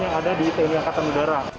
yang ada di tni au